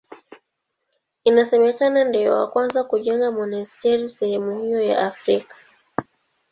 Inasemekana ndiye wa kwanza kujenga monasteri sehemu hiyo ya Afrika.